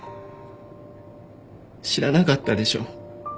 知らなかったでしょ。